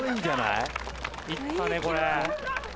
いったねこれ。